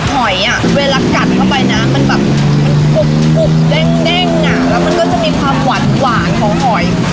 หอยอ่ะเวลากัดเข้าไปนะมันแบบแด้งแด้งหนาแล้วมันก็จะมีความหวานหวานของหอย